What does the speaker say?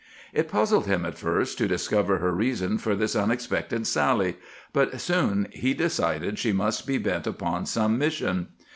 It puzzled him at first to discover her reason for this unexpected sally, but soon he decided she must be bent upon some mission.